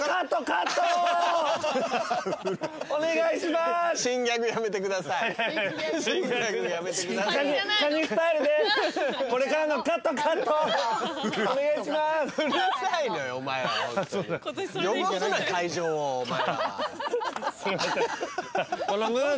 すいません。